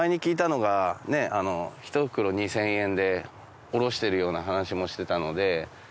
あの１袋２０００円で卸してるような話もしてたので。